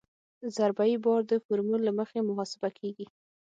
ضربه یي بار د فورمول له مخې محاسبه کیږي